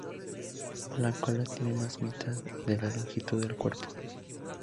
La cola tiene más de la mitad de la longitud del cuerpo.